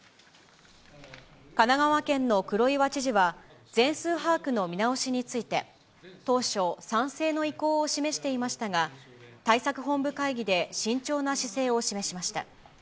神奈川県の黒岩知事は、全数把握の見直しについて、当初、賛成の意向を示していましたが、対策本部会議で慎重な姿勢を示しました。